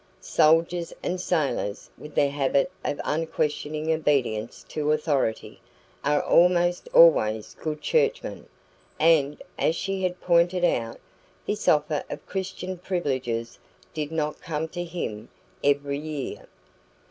Soldiers and sailors, with their habit of unquestioning obedience to authority, are almost always "good" churchmen, and, as she had pointed out, this offer of Christian privileges did not come to him every year.